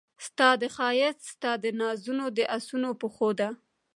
ستا د ښایست ستا دنازونو د اسونو پښو ته